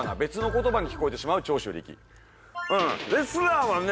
うんレスラーはね